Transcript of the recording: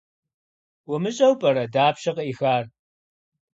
УмыщӀэжу пӀэрэ, дапщэ къыӀихар?